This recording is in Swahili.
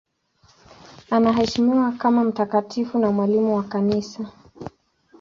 Anaheshimiwa kama mtakatifu na mwalimu wa Kanisa.